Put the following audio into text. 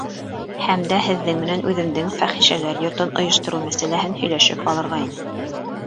Һәм дә Һеҙҙең менән үҙемдең фәхишәләр йортон ойоштороу мәсьәләһен һөйләшеп алырға ине.